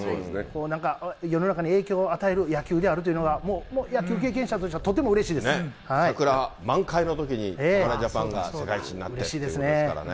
なんか、世の中に影響を与える野球であるというのが、もうもう、野球経験者としてはとてもうれし桜満開のときに、侍ジャパンが世界一になってということですからね。